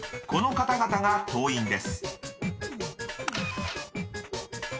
［この方々が党員です］